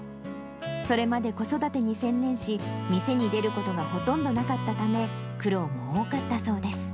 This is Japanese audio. それまで子育てに専念し、店に出ることがほとんどなかったため、苦労も多かったそうです。